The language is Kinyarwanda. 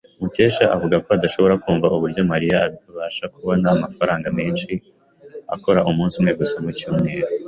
Mukesha avuga ko adashobora kumva uburyo Mariya abasha kubona amafaranga menshi akora umunsi umwe gusa mu cyumweru.